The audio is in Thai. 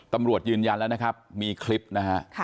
ตำรวจยืนยันแล้วนะครับมีคลิปนะฮะ